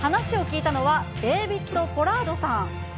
話を聞いたのは、デービッド・ポラードさん。